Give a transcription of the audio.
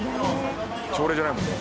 朝礼じゃないもんね。